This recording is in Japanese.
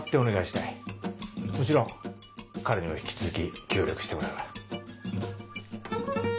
もちろん彼にも引き続き協力してもらうが。